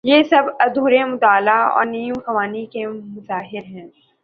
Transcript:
یہ سب ادھورے مطالعے اور نیم خوانگی کے مظاہر ہیں۔